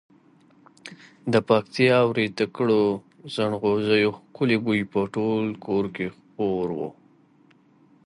د پکتیا ورېته کړو زڼغوزیو ښکلی بوی به په ټول کور کې خپور وو.